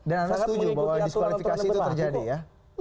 dan anda setuju bahwa diskualifikasi itu terjadi ya